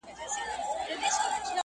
مخ يې واړاوه يو ځل د قاضي لور ته،